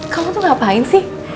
kamu tuh ngapain sih